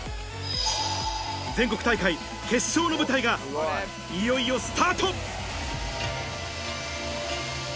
全国大会決勝の舞台がいよいよスタート！